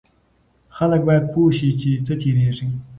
خلک باید پوه شي چې څه تیریږي.